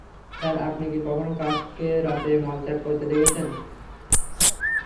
Sir, আপনি কি কখনো কাককে রাতে মল ত্যাগ করতে দেখেছেন?